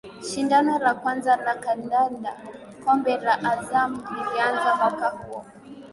Shindano la kwanza la kandanda Kombe la azam lilianza mwaka huo